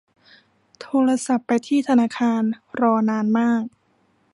โทรศัพท์ไปที่ธนาคาร รอนานมาก